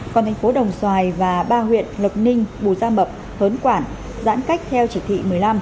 còn thành phố đồng xoài và ba huyện lộc ninh bù gia mập hớn quản giãn cách theo chỉ thị một mươi năm